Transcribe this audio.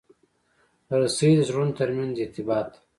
رسۍ د زړونو ترمنځ ارتباط ده.